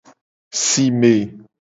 Sime.